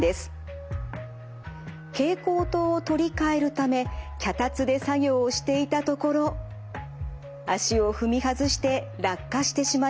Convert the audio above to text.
蛍光灯を取り替えるため脚立で作業をしていたところ足を踏み外して落下してしまいます。